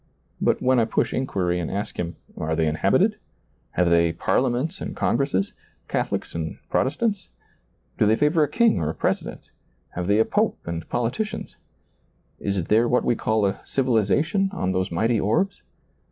But when I push inquiry and ask him, Are they inhabited ? have they parliaments and congresses. Catholics and Protestants ? do they (aver a king or a president? have they a pope and politicians ? is there what we call a civilization on those mighty orbs